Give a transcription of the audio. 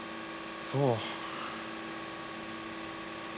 そう。